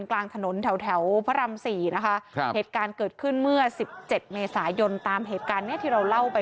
กลางถนนแถวพระราม๔นะคะเหตุการณ์เกิดขึ้นเมื่อสิบเจ็ดเมษายนตามเหตุการณ์เนี้ยที่เราเล่าไป